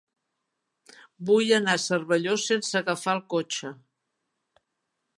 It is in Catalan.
Vull anar a Cervelló sense agafar el cotxe.